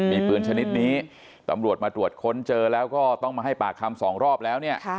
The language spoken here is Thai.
มีปืนชนิดนี้ตำรวจมาตรวจค้นเจอแล้วก็ต้องมาให้ปากคำสองรอบแล้วเนี่ย